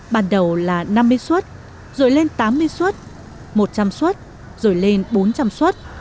ban đầu là năm mươi suất rồi lên tám mươi suất một trăm linh suất rồi lên bốn trăm linh suất